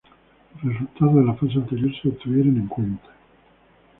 Los resultados de la fase anterior se tuvieron en cuenta.